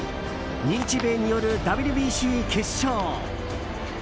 日米によるＷＢＣ決勝。